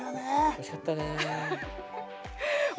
おいしかったね。